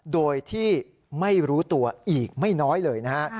โดยที่ไม่รู้ตัวอีกไม่น้อยเลยนะฮะ